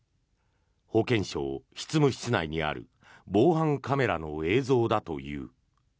保健省執務室内にある防犯カメラの映像だという。